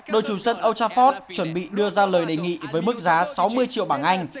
đội chủ sân o chaford chuẩn bị đưa ra lời đề nghị với mức giá sáu mươi triệu bảng anh